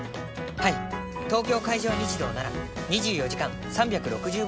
はい東京海上日動なら２４時間３６５日の事故受付。